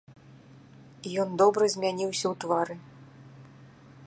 Ён добра змяніўся ў твары.